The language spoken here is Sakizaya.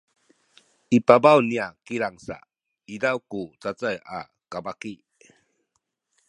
i pabaw niya kilang sa izaw ku cacay a kabaki